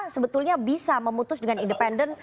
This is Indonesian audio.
sebetulnya bisa memutus dengan independen